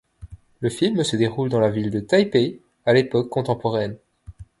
Le film se déroule dans la ville de Taipei à l'époque contemporaine.